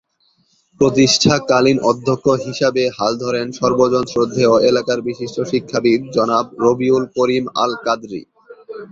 প্রতিষ্ঠাকালীন অধ্যক্ষ হিসাবে হাল ধরেন সর্বজন শ্রদ্ধেয় এলাকার বিশিষ্ট শিক্ষাবিদ জনাব রবিউল করিম আল-কাদরী।